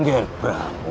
bagaimana ger pradu